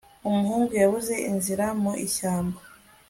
umuhungu yabuze inzira mu ishyamba